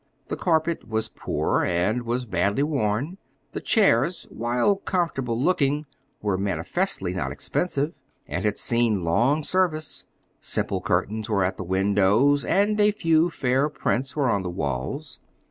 The carpet was poor, and was badly worn. The chairs, while comfortable looking, were manifestly not expensive, and had seen long service. Simple curtains were at the windows, and a few fair prints were on the walls.